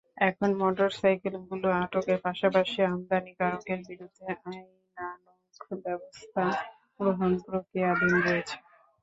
এখন মোটরসাইকেলগুলো আটকের পাশাপাশি আমদানিকারকের বিরুদ্ধে আইনানুগ ব্যবস্থা গ্রহণ প্রক্রিয়াধীন রয়েছে।